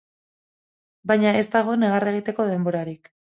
Baina ez dago negar egitego denborarik.